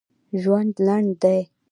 ژوند لنډ دی